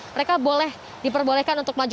mereka boleh diperbolehkan untuk maju